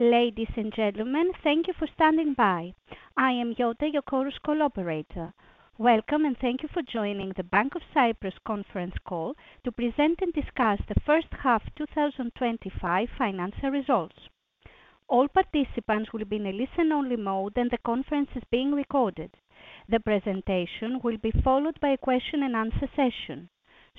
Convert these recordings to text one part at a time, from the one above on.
Ladies and gentlemen, thank you for standing by. I am your operator. Welcome and thank you for joining the Bank of Cyprus Conference Call to present and discuss the first half of 2025 financial results. All participants will be in a listen-only mode, and the conference is being recorded. The presentation will be followed by a question and answer session.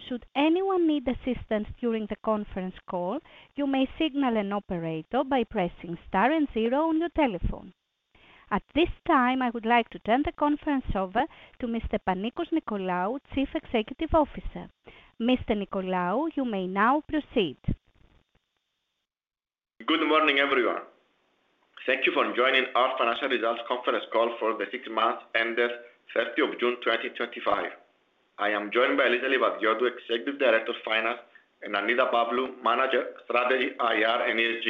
Should anyone need assistance during the conference call, you may signal an operator by pressing star and zero on your telephone. At this time, I would like to turn the conference over to Mr. Panicos Nicolaou, Chief Executive Officer. Mr. Nicolaou, you may now proceed. Good morning, everyone. Thank you for joining our financial results conference call for the sixth month, ended 30th of June 2025. I am joined by Eliza Livadiotou, Executive Director of Finance, and Annita Pavlou, Manager of Strategy IR and ESG.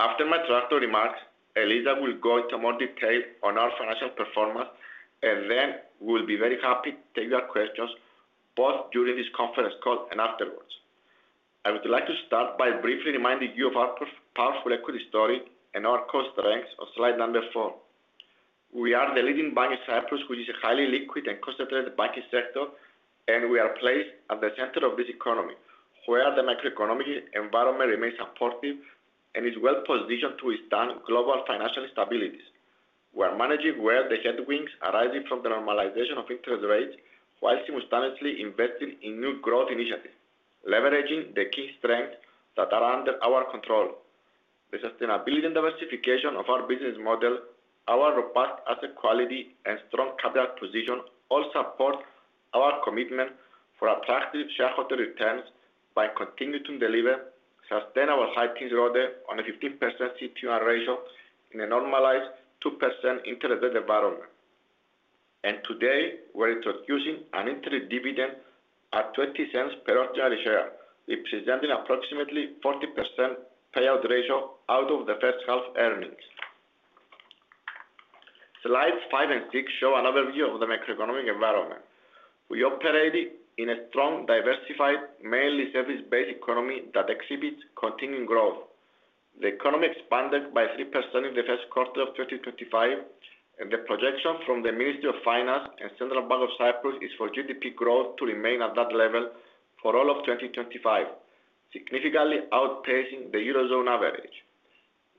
After my introductory remarks, Eliza will go into more detail on our financial performance, and then we will be very happy to take your questions, both during this conference call and afterwards. I would like to start by briefly reminding you of our powerful equity story and our core strengths on slide number four. We are the leading bank in Cyprus, which is a highly liquid and concentrated banking sector, and we are placed at the center of this economy, where the macroeconomic environment remains supportive and is well-positioned to withstand global financial instabilities. We are managing well the headwinds arising from the normalization of interest rates, while simultaneously investing in new growth initiatives, leveraging the key strengths that are under our control. The sustainability and diversification of our business model, our robust asset quality, and strong capital acquisition all support our commitment for attractive shareholder returns by continuing to deliver sustainable high teens on a 15% CET1 ratio in a normalized 2% interest rate environment. Today, we are introducing an interim dividend at $0.20 per ordinary share, representing approximately a 40% payout ratio out of the first half earnings. Slides five and six show an overview of the macroeconomic environment. We operate in a strong, diversified, mainly service-driven economy that exhibits continuing growth. The economy expanded by 3% in the first quarter of 2025, and the projection from the Ministry of Finance and Central Bank of Cyprus is for GDP growth to remain at that level for all of 2025, significantly outpacing the Eurozone average.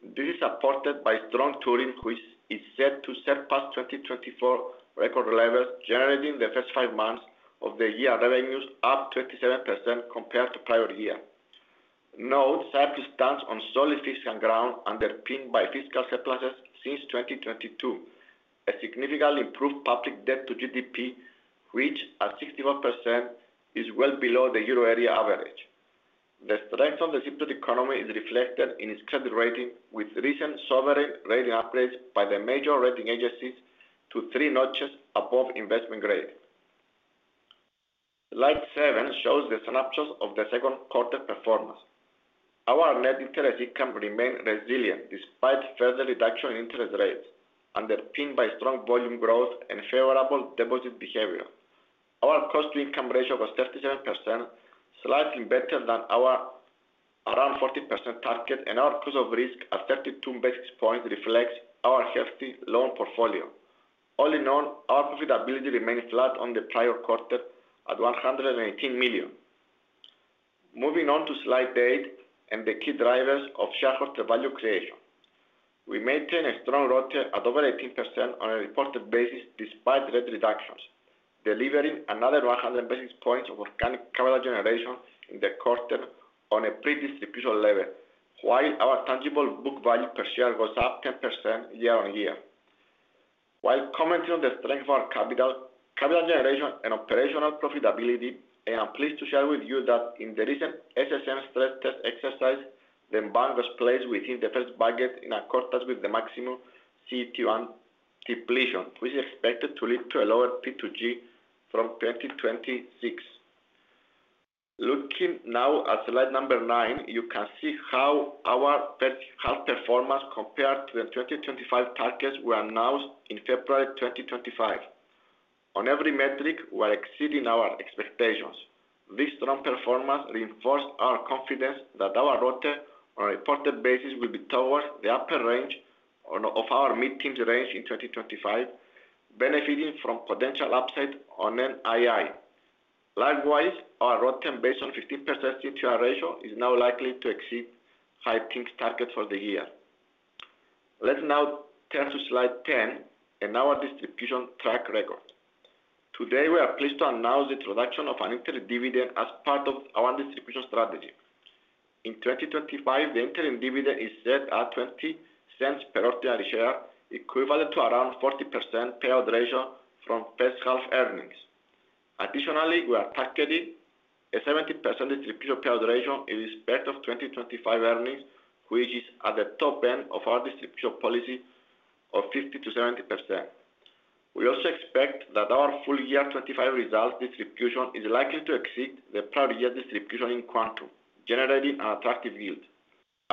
This is supported by strong tourism, which is set to surpass 2024 record levels, generating the first five months of the year revenues up 27% compared to prior years. Note Cyprus stands on solid fiscal ground, underpinned by fiscal surpluses since 2022, a significantly improved public debt to GDP, which at 64% is well below the Euro area average. The strength of the Cyprus economy is reflected in its credit rating, with recent sovereign rating upgrades by the major rating agencies to three notches above investment grade. Slide seven shows the synopsis of the second quarter performance. Our net interest income remained resilient despite further reduction in interest rates, underpinned by strong volume growth and favorable deposit behavior. Our cost-to-income ratio was 37%, slightly better than our around 40% target, and our cost of risk at 32 basis points reflects our healthy loan portfolio. All in all, our profitability remained flat on the prior quarter at 118 million. Moving on to slide eight and the key drivers of shareholder value creation. We maintain a strong ROTE at over 18% on a reported basis despite rate reductions, delivering another 100 basis points of organic capital generation in the quarter on a pre-distribution level, while our tangible book value per share goes up 10% year on year. While commenting on the strength of our capital generation and operational profitability, I am pleased to share with you that in the recent SSM selected exercise, the bank was placed within the first bucket in accordance with the maximum CET1 depletion, which is expected to lead to a lower P2G from 2026. Looking now at slide number nine, you can see how our per-share performance compared to the 2025 targets we announced in February 2025. On every metric, we are exceeding our expectations. This strong performance reinforced our confidence that our ROTE on a reported basis will be towards the upper range of our guidance range in 2025, benefiting from potential upside on NII. Likewise, our ROTE based on 15% CET1 ratio is now likely to exceed high-achieving targets for the year. Let's now turn to slide 10 and our distribution track record. Today, we are pleased to announce the introduction of an interim dividend as part of our distribution strategy. In 2025, the interim dividend is set at 0.20 per ordinary share, equivalent to around 40% payout ratio from per-share earnings. Additionally, we are targeting a 70% distribution payout ratio in respect of 2025 earnings, which is at the top end of our distribution policy of 50%-70%. We also expect that our full-year 2025 results distribution is likely to exceed the prior year's distribution in quantum, generating an attractive yield.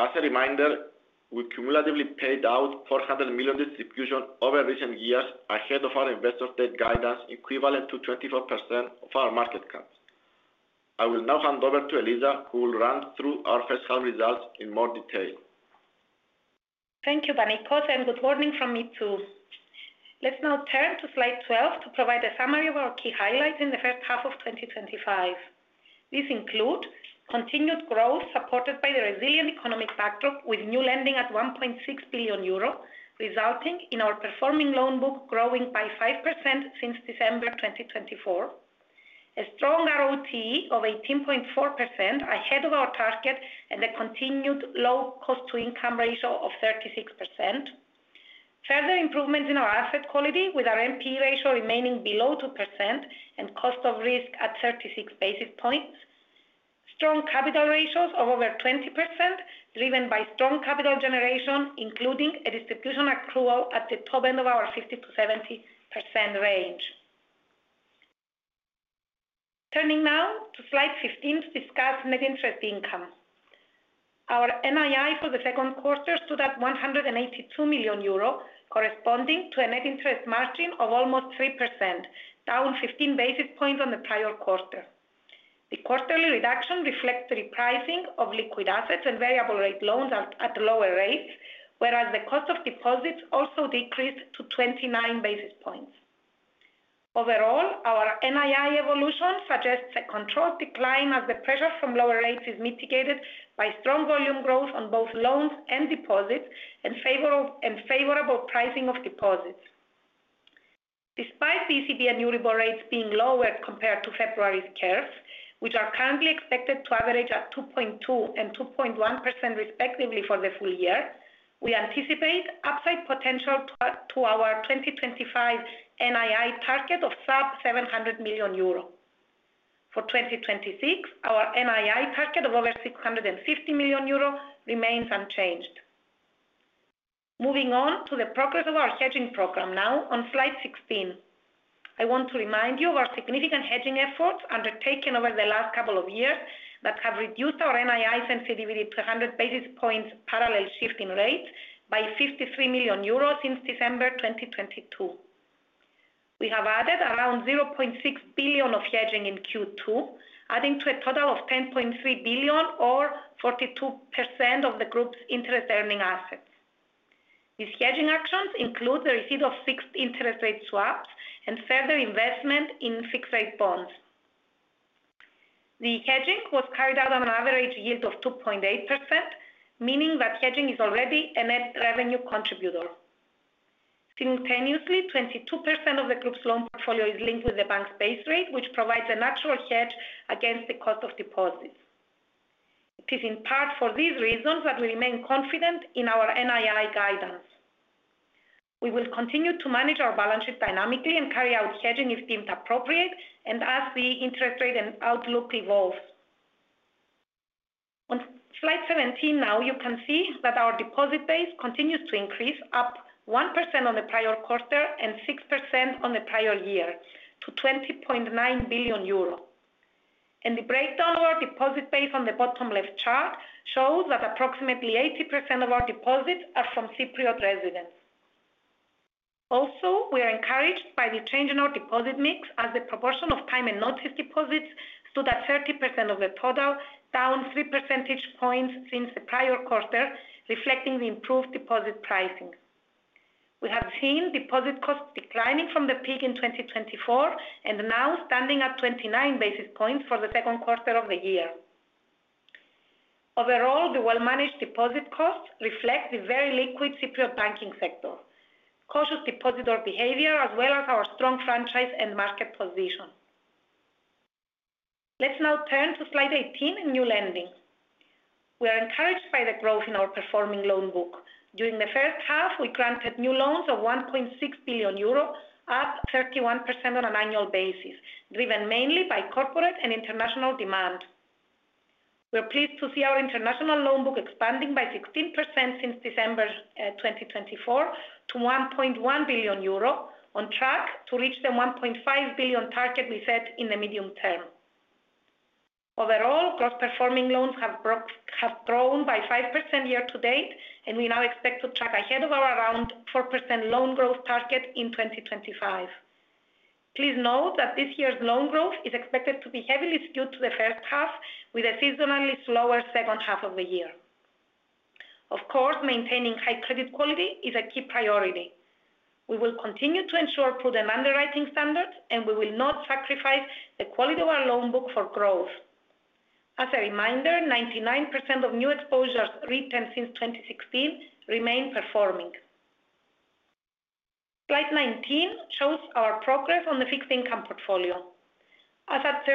As a reminder, we cumulatively paid out 400 million distributions over recent years, ahead of our investor day guidance, equivalent to 24% of our market cap. I will now hand over to Eliza, who will run through our first half results in more detail. Thank you, Panicos, and good morning from me too. Let's now turn to slide 12 to provide a summary of our key highlights in the first half of 2025. This includes continued growth supported by the resilient economic backdrop, with new lending at 1.6 billion euro, resulting in our performing loan book growing by 5% since December 2024. A strong ROTE of 18.4% ahead of our target and a continued low cost-to-income ratio of 36%. Further improvements in our asset quality, with our NP ratio remaining below 2% and cost of risk at 36 basis points. Strong capital ratios of over 20%, driven by strong capital generation, including a distribution accrual at the top end of our 50%-70% range. Turning now to slide 15, to discuss net interest income. Our NII for the second quarter stood at 182 million euro, corresponding to a net interest margin of almost 3%, down 15 basis points on the prior quarter. The quarterly reduction reflects the repricing of liquid assets and variable rate loans at lower rates, whereas the cost of deposits also decreased to 29 basis points. Overall, our NII evolution suggests a controlled decline as the pressure from lower rates is mitigated by strong volume growth on both loans and deposits and favorable pricing of deposits. Despite the ECB and Euribor rates being lower compared to February's curves, which are currently expected to average at 2.2% and 2.1% respectively for the full year, we anticipate upside potential to our 2025 NII target of sub-EUR 700 million. For 2026, our NII target of over 650 million euro remains unchanged. Moving on to the progress of our hedging program now on slide 16. I want to remind you of our significant hedging efforts undertaken over the last couple of years that have reduced our NII sensitivity to 100 basis points parallel shift in rates by 53 million euros since December 2022. We have added around 0.6 billion of hedging in Q2, adding to a total of 10.3 billion, or 42% of the group's interest earning assets. These hedging actions include the receipt of fixed interest rate swaps and further investment in fixed rate bonds. The hedging was carried out on an average yield of 2.8%, meaning that hedging is already a net revenue contributor. Simultaneously, 22% of the group's loan portfolio is linked with the bank's base rate, which provides a natural hedge against the cost of deposits. It is in part for these reasons that we remain confident in our NII guidance. We will continue to manage our balance sheet dynamically and carry out hedging if deemed appropriate, as the interest rate and outlook evolve. On slide 17 now, you can see that our deposit base continues to increase, up 1% on the prior quarter and 6% on the prior year, to 20.9 billion euro. The breakdown of our deposit base on the bottom left chart shows that approximately 80% of our deposits are from Cypriot residents. Also, we are encouraged by the change in our deposit mix, as the proportion of time and notice deposits stood at 30% of the total, down 3 percentage points since the prior quarter, reflecting the improved deposit pricing. We have seen deposit costs declining from the peak in 2024 and now standing at 0.29% for the second quarter of the year. Overall, the well-managed deposit costs reflect the very liquid Cypriot banking sector, cautious depositor behavior, as well as our strong franchise and market position. Let's now turn to slide 18 and new lending. We are encouraged by the growth in our performing loan book. During the first half, we granted new loans of 1.6 billion euro, up 31% on an annual basis, driven mainly by corporate and international demand. We are pleased to see our international loan book expanding by 16% since December 2024 to 1.1 billion euro, on track to reach the 1.5 billion target we set in the medium term. Overall, growth-performing loans have grown by 5% year to date, and we now expect to track ahead of our around 4% loan growth target in 2025. Please note that this year's loan growth is expected to be heavily skewed to the first half, with a seasonally slower second half of the year. Of course, maintaining high credit quality is a key priority. We will continue to ensure prudent underwriting standards, and we will not sacrifice the quality of our loan book for growth. As a reminder, 99% of new exposures written since 2016 remain performing. Slide 19 shows our progress on the fixed income portfolio. As at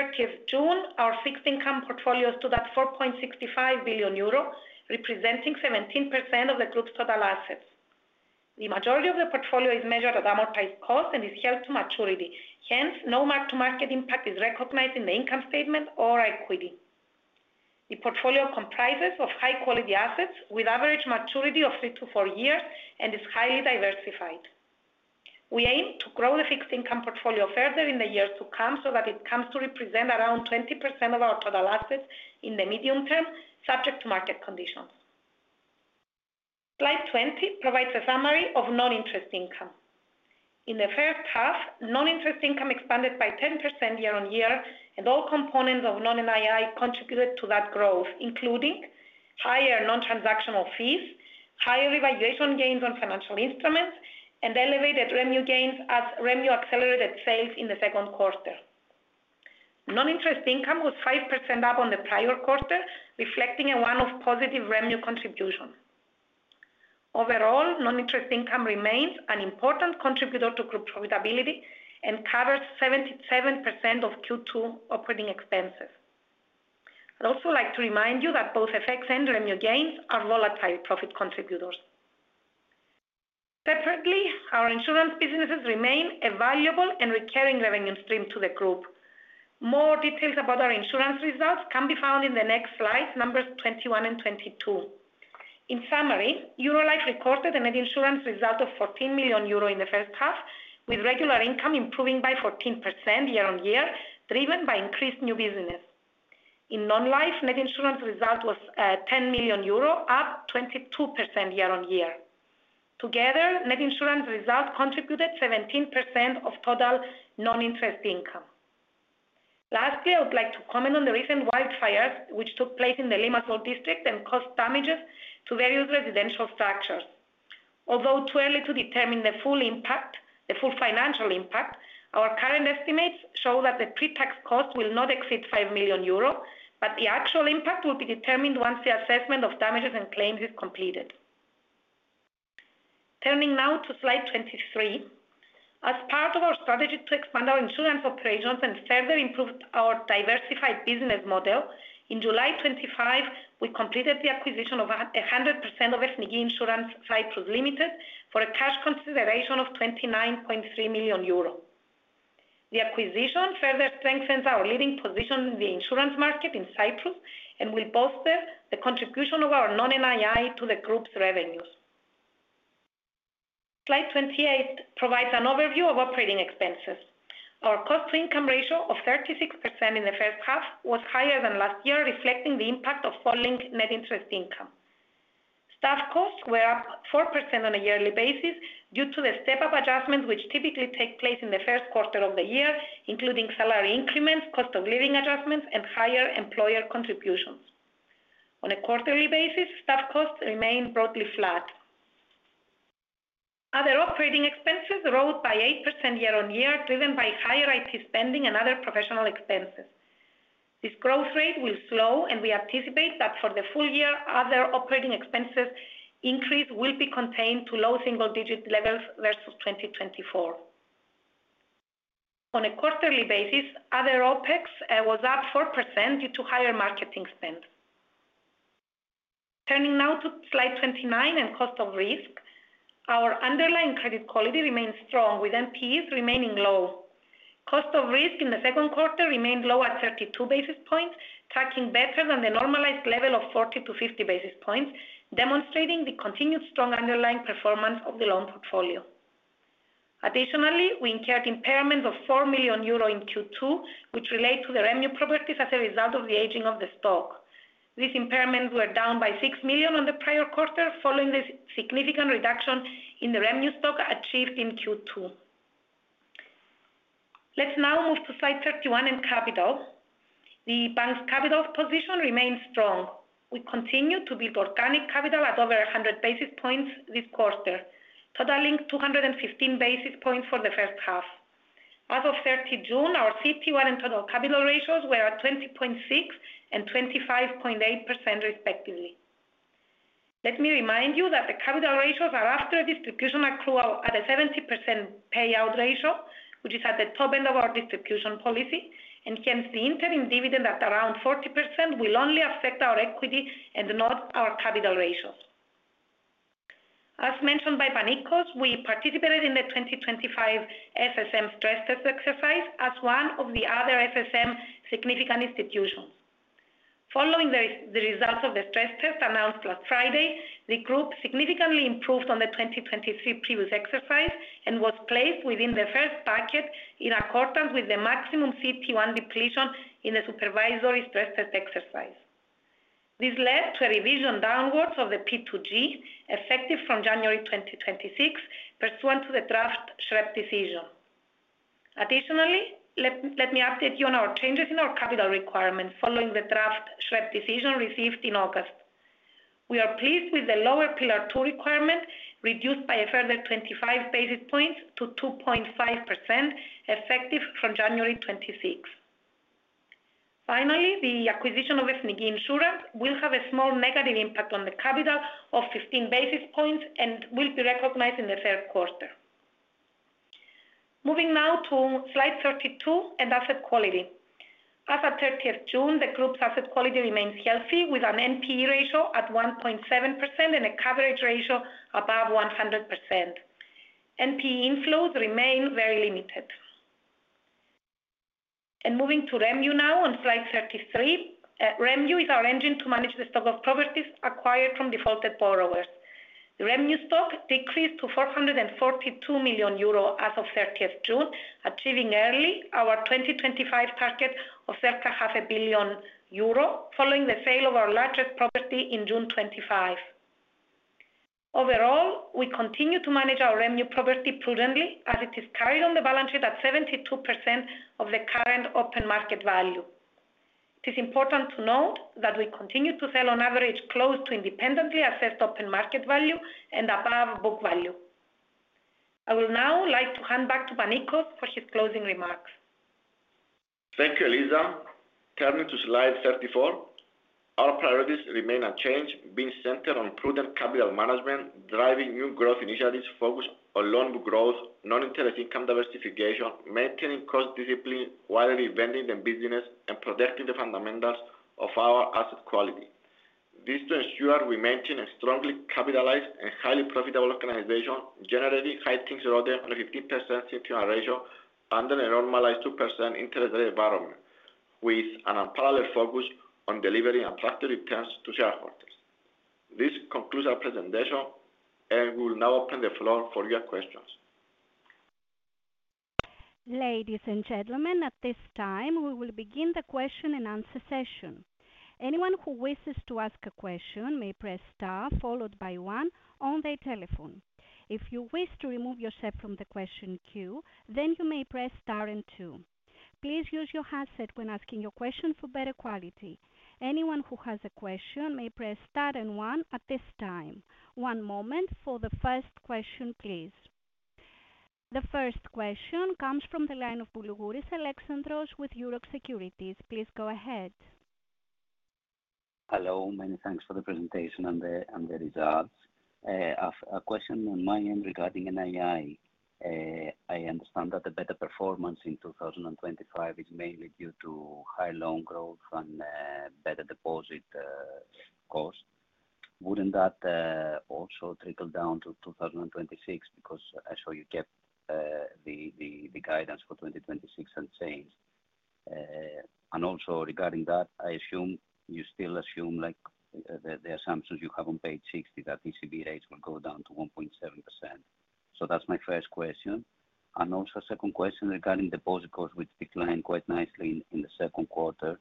June 30, our fixed income portfolio stood at 4.65 billion euro, representing 17% of the group's total assets. The majority of the portfolio is measured at amortized cost and is held to maturity. Hence, no mark-to-market impact is recognized in the income statement or equity. The portfolio comprises high-quality assets with average maturity of three to four years and is highly diversified. We aim to grow the fixed income portfolio further in the years to come so that it comes to represent around 20% of our total assets in the medium term, subject to market conditions. Slide 20 provides a summary of non-interest income. In the first half, non-interest income expanded by 10% year on year, and all components of non-NII contributed to that growth, including higher non-transactional fees, higher evaluation gains on financial instruments, and elevated revenue gains as revenue accelerated sales in the second quarter. Non-interest income was 5% up on the prior quarter, reflecting a one-off positive revenue contribution. Overall, non-interest income remains an important contributor to group profitability and covers 77% of Q2 operating expenses. I'd also like to remind you that both FX and revenue gains are volatile profit contributors. Separately, our insurance businesses remain a valuable and recurring revenue stream to the group. More details about our insurance results can be found in the next slides, numbers 21 and 22. In summary, Eurolife recorded a net insurance result of 14 million euro in the first half, with regular income improving by 14% year on year, driven by increased new business. In non-life, net insurance result was 10 million euro, up 22% year on year. Together, net insurance result contributed 17% of total non-interest income. Lastly, I would like to comment on the recent wildfires which took place in the Limassol district and caused damages to various residential structures. Although too early to determine the full impact, the full financial impact, our current estimates show that the pre-tax cost will not exceed 5 million euro, but the actual impact will be determined once the assessment of damages and claims is completed. Turning now to slide 23. As part of our strategy to expand our insurance operations and further improve our diversified business model, in July 2025, we completed the acquisition of 100% of Ethniki Insurance Cyprus Limited for a cash consideration of 29.3 million euro. The acquisition further strengthens our leading position in the insurance market in Cyprus and will bolster the contribution of our non-NII to the group's revenues. Slide 28 provides an overview of operating expenses. Our cost-to-income ratio of 36% in the first half was higher than last year, reflecting the impact of falling net interest income. Staff costs were up 4% on a yearly basis due to the step-up adjustments, which typically take place in the first quarter of the year, including salary increments, cost of living adjustments, and higher employer contributions. On a quarterly basis, staff costs remain broadly flat. Other operating expenses rose by 8% year on year, driven by higher IT spending and other professional expenses. This growth rate will slow, and we anticipate that for the full year, other operating expenses increase will be contained to low single-digit levels versus 2024. On a quarterly basis, other OpEx was up 4% due to higher marketing spend. Turning now to slide 29 and cost of risk. Our underlying credit quality remains strong, with NPs remaining low. Cost of risk in the second quarter remained low at 32 basis points, tracking better than the normalized level of 40 basis points-50 basis points, demonstrating the continued strong underlying performance of the loan portfolio. Additionally, we incurred impairments of 4 million euro in Q2, which relate to the revenue properties as a result of the aging of the stock. These impairments were down by 6 million on the prior quarter, following the significant reduction in the revenue stock achieved in Q2. Let's now move to slide 31 and capital. The bank's capital position remains strong. We continue to build organic capital at over 100 basis points this quarter, totaling 215 basis points for the first half. As of 30 June, our CET1 and total capital ratios were at 20.6% and 25.8% respectively. Let me remind you that the capital ratios are after a distribution accrual at a 70% payout ratio, which is at the top end of our distribution policy, and hence the interim dividend at around 40% will only affect our equity and not our capital ratios. As mentioned by Panicos, we participated in the 2025 SSM stress test exercise as one of the other SSM significant institutions. Following the results of the stress test announced last Friday, the group significantly improved on the 2023 previous exercise and was placed within the first bucket in accordance with the maximum CET1 depletion in the supervisory stress test exercise. This led to a revision downwards of the P2G effective from January 2026, pursuant to the draft SREP decision. Additionally, let me update you on our changes in our capital requirements following the draft SREP decision received in August. We are pleased with the lower Pillar 2 Requirement, reduced by a further 25 basis points to 2.5% effective from January 26. Finally, the acquisition of Ethniki Insurance Cyprus Limited will have a small negative impact on the capital of 15 basis points and will be recognized in the third quarter. Moving now to slide 32 and asset quality. As of June 30, the group's asset quality remains healthy, with an NP ratio at 1.7% and a coverage ratio above 100%. NP inflows remain very limited. Moving to revenue now on slide 33, revenue is our engine to manage the stock of properties acquired from defaulted borrowers. The revenue stock decreased to 442 million euro as of June 30, achieving early our 2025 target of circa half a billion euros following the sale of our largest property in June 2025. Overall, we continue to manage our revenue property prudently as it is carried on the balance sheet at 72% of the current open market value. It is important to note that we continue to sell on average close to independently assessed open market value and above book value. I will now like to hand back to Panicos for his closing remarks. Thank you, Eliza. Turning to slide 34, our priorities remain unchanged, being centered on prudent capital management, driving new growth initiatives focused on loan book growth, non-interest income diversification, maintaining cost discipline while reinventing the business, and protecting the fundamentals of our asset quality. This ensures we maintain a strongly capitalized and highly profitable organization, generating high teens ROTE rather than 15% CET1 ratio under a normalized 2% interest rate environment, with an unparalleled focus on delivering attractive returns to shareholders. This concludes our presentation and we will now open the floor for your questions. Ladies and gentlemen, at this time, we will begin the question and answer session. Anyone who wishes to ask a question may press star followed by one on their telephone. If you wish to remove yourself from the question queue, then you may press star and two. Please use your handset when asking your question for better quality. Anyone who has a question may press star and one at this time. One moment for the first question, please. The first question comes from the line of Boulougouris Alexandros with Euroxx Securities. Please go ahead. Hello, many thanks for the presentation and the results. A question on my end regarding NII. I understand that the better performance in 2025 is mainly due to high loan growth and better deposit cost. Wouldn't that also trickle down to 2026? I saw you kept the guidance for 2026 unchanged. Also regarding that, I assume you still assume like the assumptions you have on page 60 that ECB rates will go down to 1.7%. That's my first question. A second question regarding deposit costs, which declined quite nicely in the second quarter.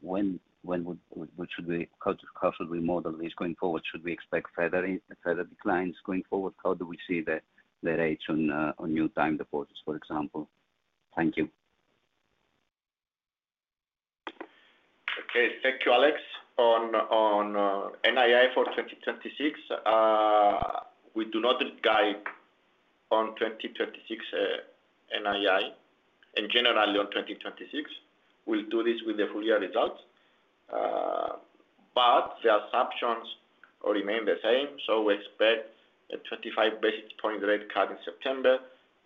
When should we, how should we model this going forward? Should we expect further declines going forward? How do we see the rates on new time deposits, for example? Thank you. Okay, thank you, Alex. On NII for 2026, we do not guide on 2026 NII and generally on 2026. We'll do this with the full year results. The assumptions remain the same. We expect a 25 basis points rate cut in September,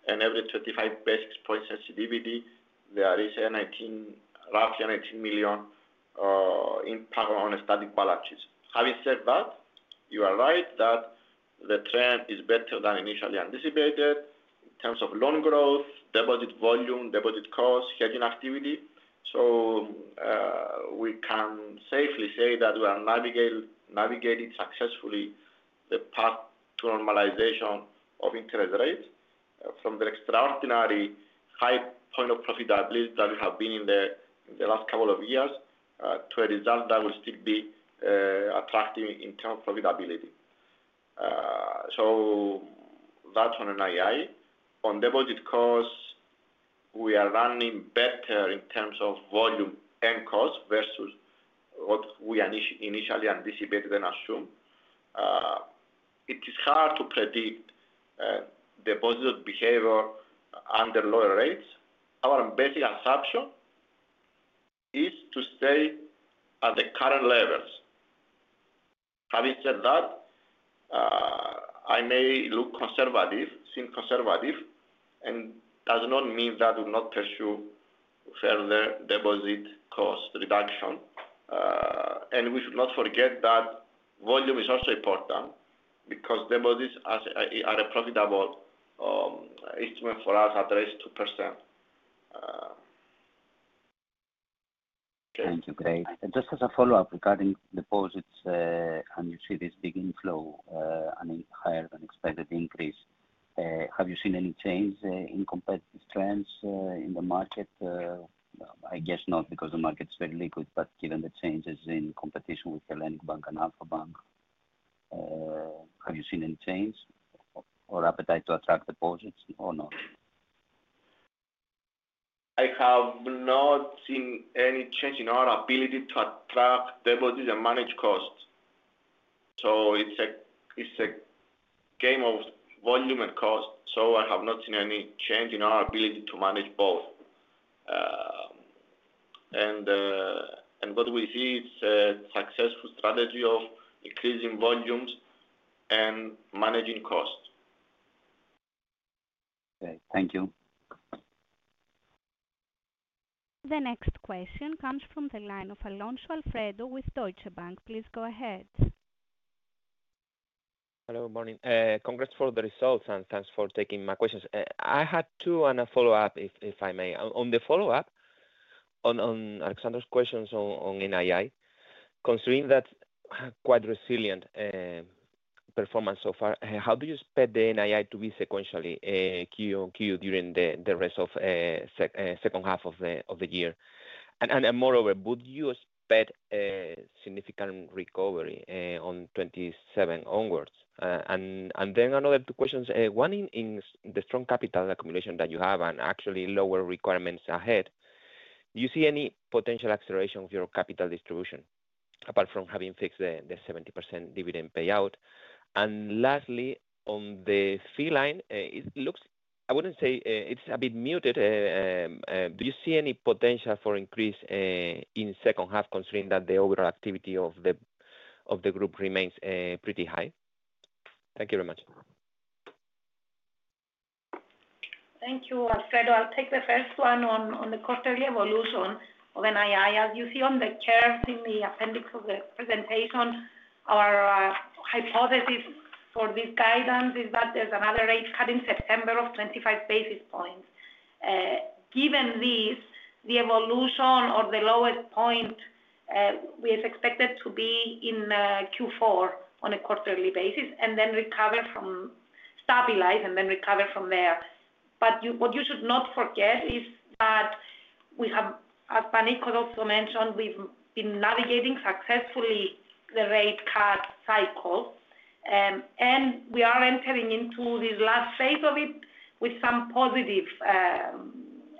and every 25 basis points sensitivity, there is roughly 19 million impact on static balance sheet. Having said that, you are right that the trend is better than initially anticipated in terms of loan growth, deposit volume, deposit costs, hedging activity. We can safely say that we have navigated successfully the path to normalization of interest rates from the extraordinary high point of profitability that we have been in the last couple of years to a result that will still be attractive in terms of profitability. That's on NII. On deposit costs, we are running better in terms of volume and cost versus what we initially anticipated and assumed. It is hard to predict deposit behavior under lower rates. Our basic assumption is to stay at the current levels. Having said that, I may look conservative, seem conservative, and it does not mean that we will not pursue further deposit cost reduction. We should not forget that volume is also important because deposits are a profitable instrument for us at risk 2%. Thank you. Just as a follow-up regarding deposits, you see this big inflow and a higher than expected increase. Have you seen any change in competitive trends in the market? I guess not because the market is very liquid, but given the changes in competition with Hellenic Bank and Alpha Bank, have you seen any change or appetite to attract deposits or not? I have not seen any change in our ability to attract deposits and manage costs. It's a game of volume and cost. I have not seen any change in our ability to manage both. What we see is a successful strategy of increasing volumes and managing costs. Great, thank you. The next question comes from the line of Alonso Alfredo with Deutsche Bank. Please go ahead. Hello, good morning. Congrats for the results and thanks for taking my questions. I had two and a follow-up, if I may. On the follow-up on Alexandros' questions on NII, considering that quite resilient performance so far, how do you expect the NII to be sequentially Q on Q during the rest of the second half of the year? Moreover, would you expect a significant recovery on 2027 onwards? Another two questions. One, in the strong capital accumulation that you have and actually lower requirements ahead, do you see any potential acceleration of your capital distribution apart from having fixed the 70% dividend payout? Lastly, on the fee line, it looks, I wouldn't say it's a bit muted. Do you see any potential for increase in the second half, considering that the overall activity of the group remains pretty high? Thank you very much. Thank you, Alfredo. I'll take the first one on the quarterly evolution of NII. As you see on the curves in the appendix of the presentation, our hypothesis for this guidance is that there's another rate cut in September of 25 basis points. Given this, the evolution or the lowest point is expected to be in Q4 on a quarterly basis and then stabilize and then recover from there. What you should not forget is that we have, as Panicos also mentioned, we've been navigating successfully the rate cut cycle. We are entering into this last phase of it with some positive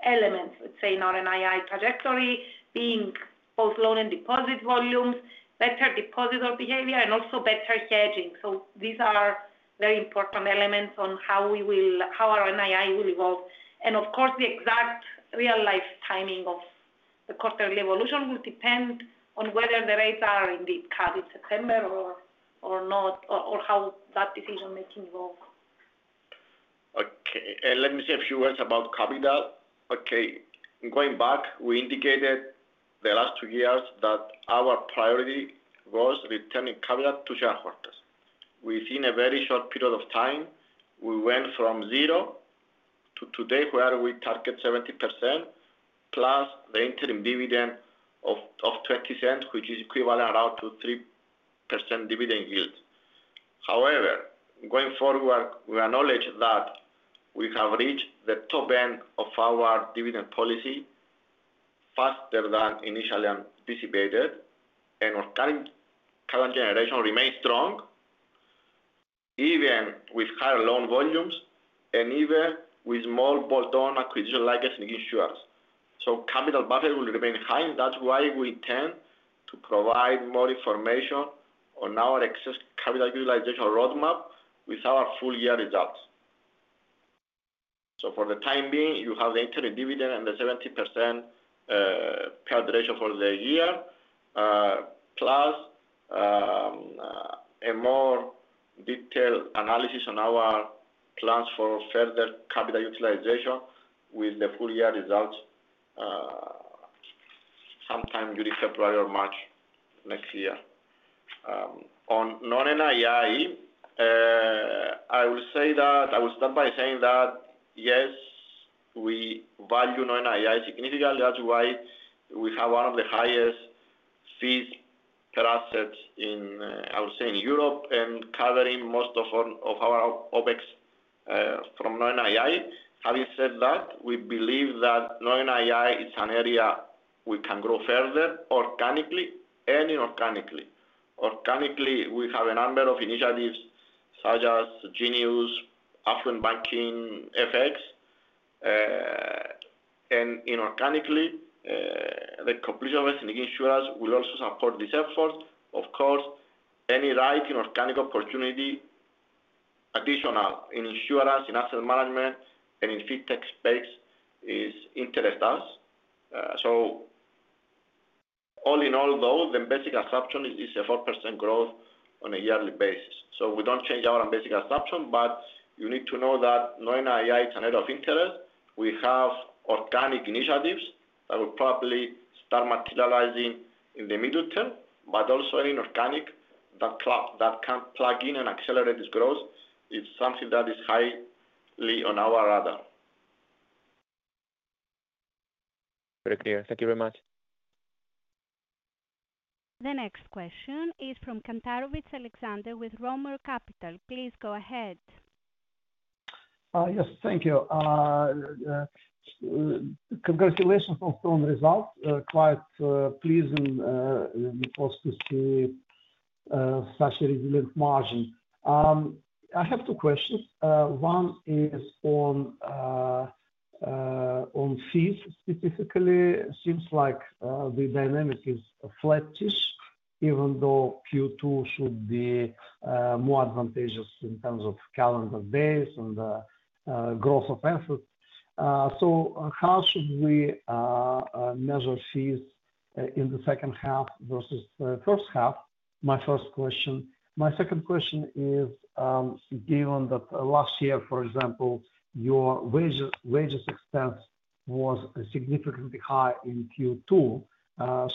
elements, let's say, in our NII trajectory, being both loan and deposit volumes, better depositor behavior, and also better hedging. These are very important elements on how our NII will evolve. Of course, the exact real-life timing of the quarterly evolution will depend on whether the rates are indeed cut in September or not, or how that decision-making evolves. Okay, let me say a few words about capital. Okay, going back, we indicated the last two years that our priority was returning capital to shareholders. Within a very short period of time, we went from zero to today, where we target 70% plus the interim dividend of $0.20, which is equivalent around to 3% dividend yield. However, going forward, we acknowledge that we have reached the top end of our dividend policy faster than initially anticipated, and our current generation remains strong, even with higher loan volumes and even with more bolt-on acquisition likelihood in the insurance. Capital buffers will remain high. That's why we intend to provide more information on our excess capital utilization roadmap with our full-year results. For the time being, you have the interim dividend and the 70% payout ratio for the year, plus a more detailed analysis on our plans for further capital utilization with the full-year results sometime during February or March next year. On non-NII, I will say that, yes, we value non-NII significantly. That's why we have one of the highest fees per asset in, I would say, in Europe and covering most of our OpEx from non-NII. Having said that, we believe that non-NII is an area we can grow further organically and inorganically. Organically, we have a number of initiatives such as Jinius, Affluent Banking, FX. Inorganically, the completion of Ethniki Insurance will also support this effort. Of course, any right inorganic opportunity, additional in insurance, in asset management, and in fintech space interests us. All in all, though, the basic assumption is a 4% growth on a yearly basis. We don't change our basic assumption, but you need to know that non-NII is an area of interest. We have organic initiatives that will probably start materializing in the middle term, but also inorganic that can plug in and accelerate this growth is something that is highly on our radar. Very clear. Thank you very much. The next question is from Kantarovitz Alexander with Roemer Capital. Please go ahead. Yes, thank you. Congratulations also on the results. Quite pleasing because we see such a resilient margin. I have two questions. One is on fees. Specifically, it seems like the dynamic is flexible, even though Q2 should be more advantageous in terms of calendar days and the growth of effort. How should we measure fees in the second half versus the first half? My first question. My second question is, given that last year, for example, your wages expense was significantly high in Q2,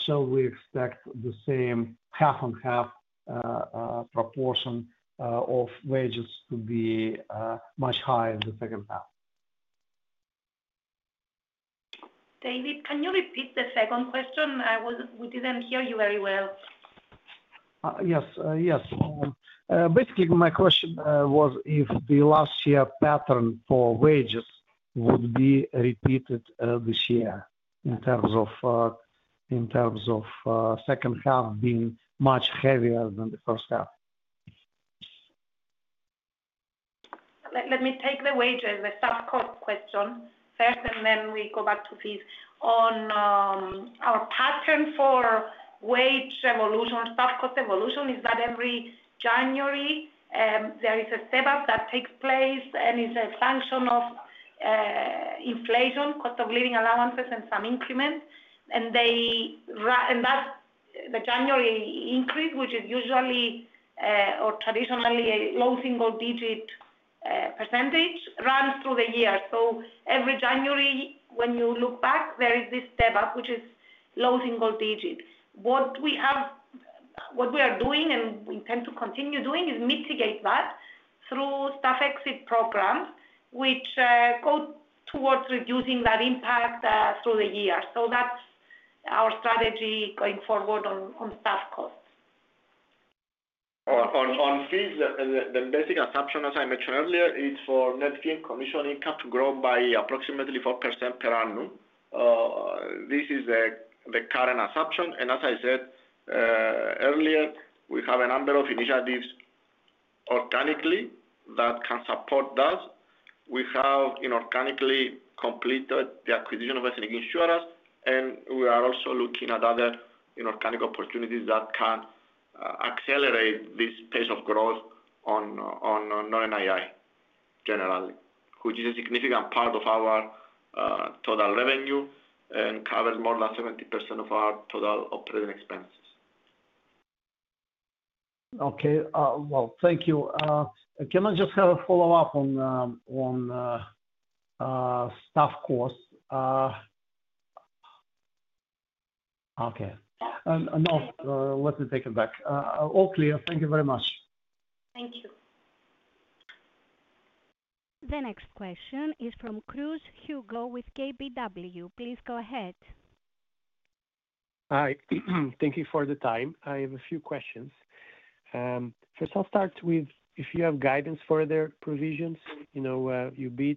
shall we expect the same half-and-half proportion of wages to be much higher in the second half? Can you repeat the second question? We didn't hear you very well. Yes, yes. Basically, my question was if the last year pattern for wages would be repeated this year in terms of second half being much heavier than the first half. Let me take the wages, the staff cost question first, and then we go back to fees. Our pattern for wage evolution or staff cost evolution is that every January, there is a step-up that takes place and is a function of inflation, cost of living allowances, and some increments. That's the January increase, which is usually or traditionally a low single-digit percentage that runs through the year. Every January, when you look back, there is this step-up, which is low single-digit. What we are doing and intend to continue doing is mitigate that through staff exit programs, which go towards reducing that impact through the year. That's our strategy going forward on staff costs. On fees, the basic assumption, as I mentioned earlier, is for net clean commission income to grow by approximately 4% per annum. This is the current assumption. As I said earlier, we have a number of initiatives organically that can support that. We have inorganically completed the acquisition of Ethniki Insurance, and we are also looking at other inorganic opportunities that can accelerate this pace of growth on non-NII generally, which is a significant part of our total revenue and covers more than 70% of our total operating expenses. Thank you. Can I just have a follow-up on staff costs? All clear. Thank you very much. Thank you. The next question is from Cruz Hugo with KBW. Please go ahead. Hi. Thank you for the time. I have a few questions. First, I'll start with if you have guidance for their provisions. You've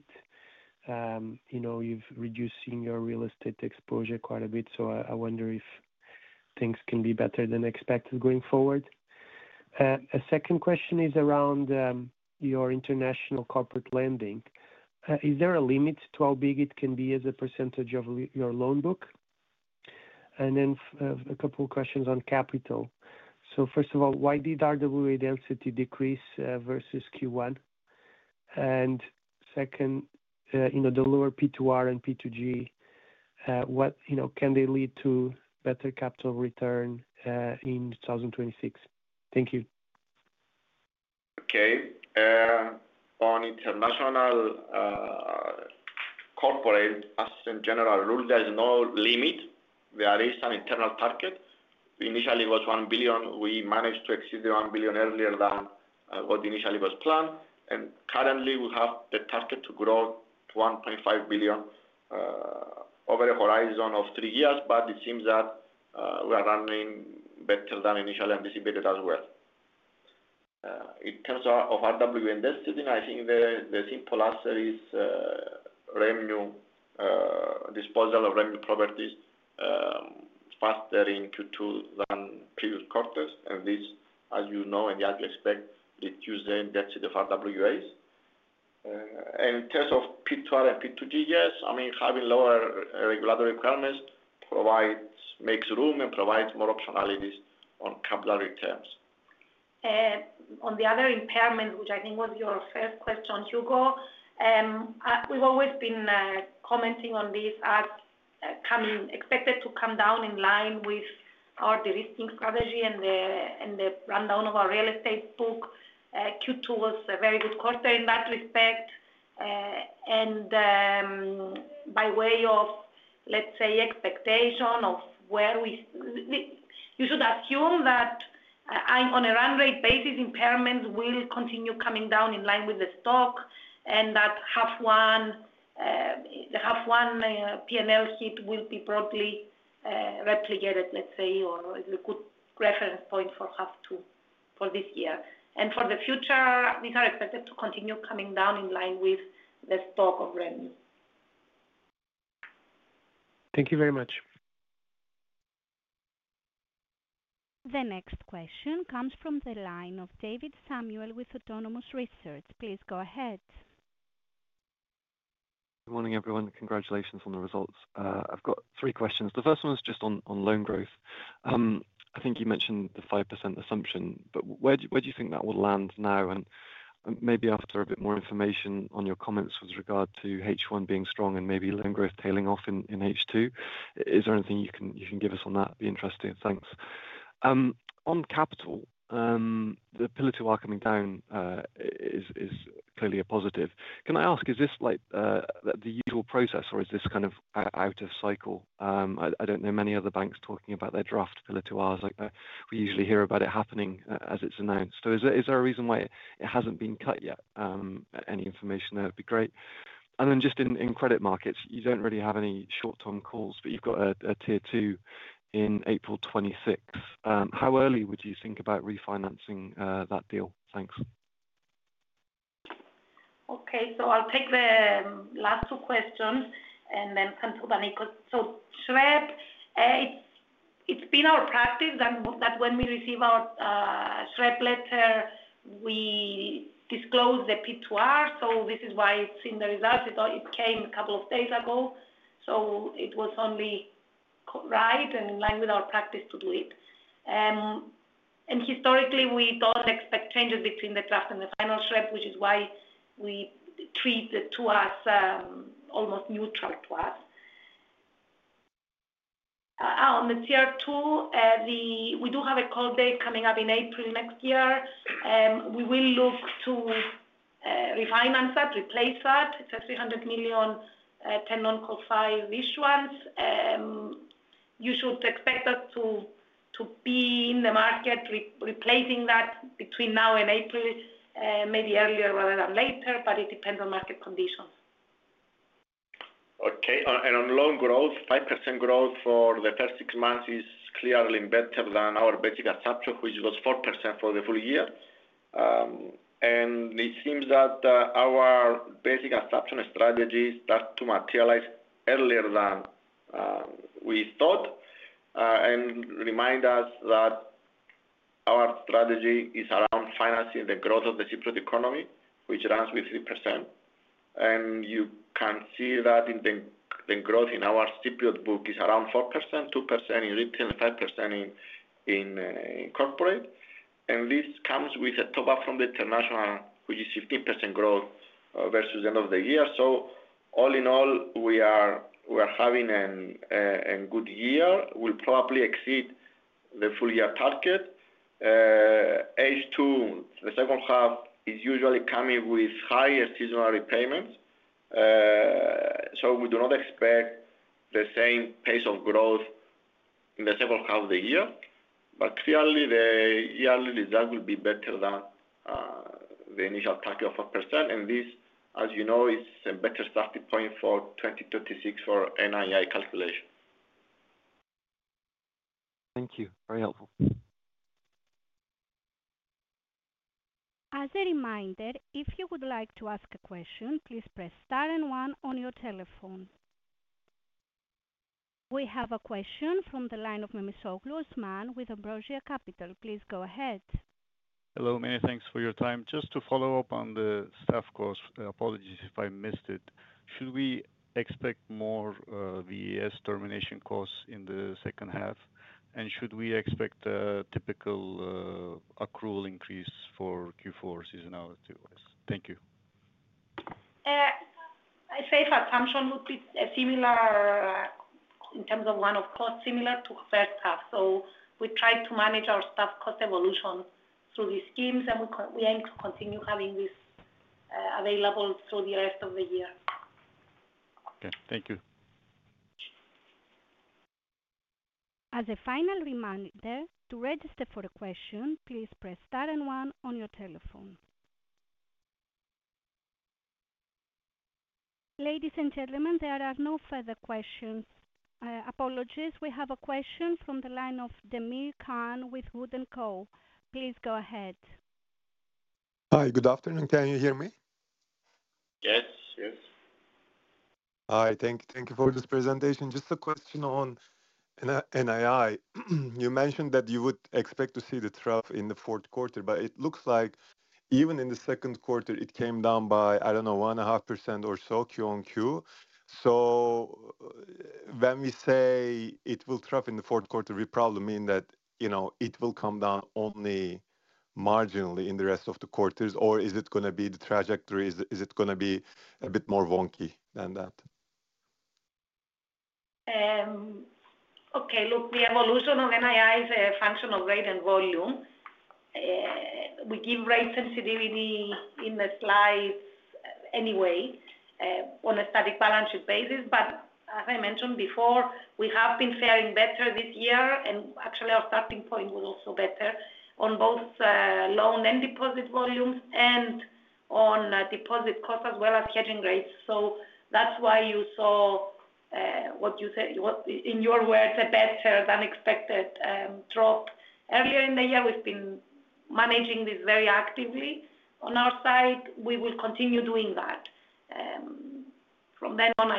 reduced your real estate exposure quite a bit, so I wonder if things can be better than expected going forward. A second question is around your international corporate lending. Is there a limit to how big it can be as a percentage of your loan book? I have a couple of questions on capital. First of all, why did RWA density decrease versus Q1? The lower P2R and P2G, can they lead to better capital return in 2026? Thank you. Okay. On international corporate asset in general rule, there is no limit. There is an internal target. Initially, it was 1 billion. We managed to exceed the 1 billion earlier than what initially was planned. Currently, we have the target to grow to 1.5 billion over a horizon of three years, but it seems that we are running better than initially anticipated as well. In terms of RWA density, I think the simple answer is revenue, disposal of revenue properties faster in Q2 than previous quarters. This, as you know and as you expect, reduces density of RWAs. In terms of P2R and P2G, yes, having lower regulatory requirements makes room and provides more optionalities on capital returns. On the other impairments, which I think was your first question, Hugo, we've always been commenting on this as expected to come down in line with our de-risking strategy and the rundown of our real estate book. Q2 was a very good quarter in that respect. By way of expectation of where you should assume that on a run-rate basis, impairments will continue coming down in line with the stock and that half one P&L hit will be broadly replicated, or a good reference point for half two for this year. For the future, these are expected to continue coming down in line with the stock of revenue. Thank you very much. The next question comes from the line of David Daniel with Autonomous Research. Please go ahead. Good morning, everyone. Congratulations on the results. I've got three questions. The first one is just on loan growth. I think you mentioned the 5% assumption, but where do you think that will land now? Maybe after a bit more information on your comments with regard to H1 being strong and maybe loan growth tailing off in H2, is there anything you can give us on that? It'd be interesting. Thanks. On capital, the Pillar 2R coming down is clearly a positive. Can I ask, is this like the usual process or is this kind of out of cycle? I don't know many other banks talking about their draft Pillar 2Rs. We usually hear about it happening as it's announced. Is there a reason why it hasn't been cut yet? Any information there would be great. In credit markets, you don't really have any short-term calls, but you've got a Tier 2 in April 2026. How early would you think about refinancing that deal? Thanks. Okay, I'll take the last two questions and then turn to Panicos. SREP, it's been our practice that when we receive our SREP letter, we disclose the P2R. This is why it's in the results. It came a couple of days ago. It was only right and in line with our practice to do it. Historically, we don't expect changes between the draft and the final SREP, which is why we treat the two as almost neutral to us. On the Tier 2, we do have a call date coming up in April next year. We will look to refinance that, replace that. It's a 300 million 10 non-qualified issuance. You should expect us to be in the market replacing that between now and April, maybe earlier rather than later, but it depends on market conditions. Okay, and on loan growth, 5% growth for the first six months is clearly better than our basic assumption, which was 4% for the full year. It seems that our basic assumption strategy starts to materialize earlier than we thought and reminds us that our strategy is around financing the growth of the Cypriot economy, which runs with 3%. You can see that the growth in our Cypriot book is around 4%, 2% in retail, 5% in corporate. This comes with a top-up from the international, which is 15% growth versus the end of the year. All in all, we are having a good year. We'll probably exceed the full year target. H2, the second half, is usually coming with higher seasonal repayments. We do not expect the same pace of growth in the second half of the year. Clearly, the yearly result will be better than the initial target of 4%. This, as you know, is a better starting point for 2026 for NII calculation. Thank you. Very helpful. As a reminder, if you would like to ask a question, please press star and one on your telephone. We have a question from the line of Memisoglu Osman with AMBROSIA CAPITAL. Please go ahead. Hello, many thanks for your time. Just to follow up on the staff cost, apologies if I missed it. Should we expect more VES termination costs in the second half? Should we expect a typical accrual increase for Q4 seasonality wise? Thank you. My favorite assumption would be a similar in terms of one of costs, similar to first half. We try to manage our staff cost evolution through these schemes, and we aim to continue having this available through the rest of the year. Okay, thank you. As a final reminder, to register for a question, please press star and one on your telephone. Ladies and gentlemen, there are no further questions. Apologies, we have a question from the line of Demir Can with WOOD and Co. Please go ahead. Hi, good afternoon. Can you hear me? Yes, yes. Hi, thank you for this presentation. Just a question on NII. You mentioned that you would expect to see the trough in the fourth quarter, but it looks like even in the second quarter, it came down by, I don't know, 1.5% or so Q on Q. When we say it will trough in the fourth quarter, we probably mean that, you know, it will come down only marginally in the rest of the quarters, or is it going to be the trajectory? Is it going to be a bit more wonky than that? Okay, look, the evolution of NII is a function of rate and volume. We give rate sensitivity in the slide anyway on a static balance sheet basis. As I mentioned before, we have been faring better this year, and actually, our starting point was also better on both loan and deposit volumes and on deposit costs as well as hedging rates. That's why you saw what you said, in your words, a better than expected drop earlier in the year. We've been managing this very actively on our side. We will continue doing that. From then on,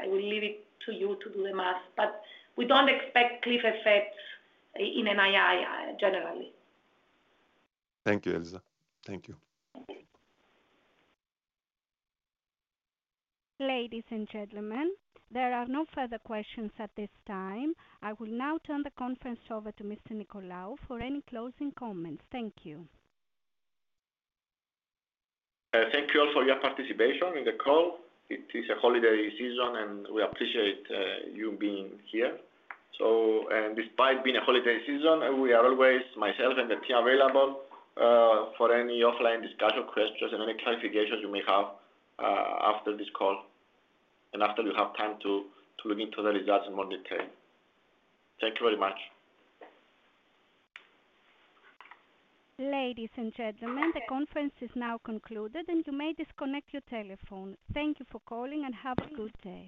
I will leave it to you to do the math, but we don't expect cliff effects in NII generally. Thank you, Eliza. Thank you. Ladies and gentlemen, there are no further questions at this time. I will now turn the conference over to Mr. Nicolaou for any closing comments. Thank you. Thank you all for your participation in the call. It is a holiday season, and we appreciate you being here. Despite being a holiday season, we are always, myself and the team, available for any offline discussion, questions, and any clarifications you may have after this call and after you have time to look into the results in more detail. Thank you very much. Ladies and gentlemen, the conference is now concluded, and you may disconnect your telephone. Thank you for calling and have a good day.